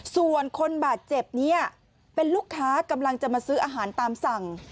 ส่วนคนบาดเจ็บเนี่ยเป็นลูกค้ากำลังจะมาซื้ออาหารตามสั่ง